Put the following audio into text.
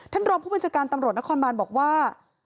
รองผู้บัญชาการตำรวจนครบานบอกว่า